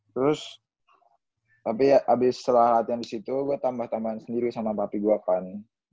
terus tapi abis setelah latihan di situ gua tambah tambahin sendiri sama papi gua pak